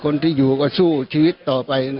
คนที่อยู่ก็สู้ชีวิตต่อไป